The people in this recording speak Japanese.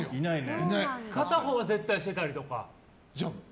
片方は絶対してたりとか。